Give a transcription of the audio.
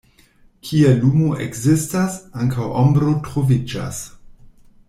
Kie lumo ekzistas, ankaŭ ombro troviĝas.